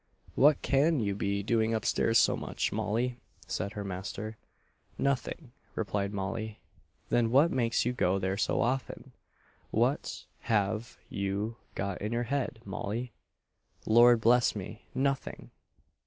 "What can you be doing up stairs so much, Molly?" said her master. "Nothing," replied Molly. "Then what makes you go there so often? What have you got in your head, Molly?" "Lord bless me, nothing!"